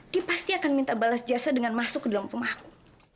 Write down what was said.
dia pasti akan minta balas jasa dengan masuk ke dalam rumahku